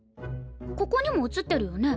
ここにも写ってるよね。